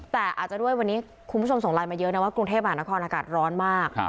แต่อาจจะด้วยวันนี้คุณผู้ชมส่งไลน์มาเยอะนะว่ากรุงเทพหานครอากาศร้อนมาก